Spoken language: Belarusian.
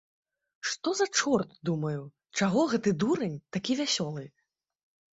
Што за чорт, думаю, чаго гэты дурань такі вясёлы?